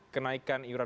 kenaikan tarif iuran